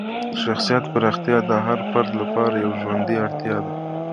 شخصیت پراختیا د هر فرد لپاره یوه ژوندۍ اړتیا ده.